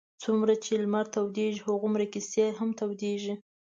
څومره چې لمر تودېږي هغومره کیسې هم تودېږي.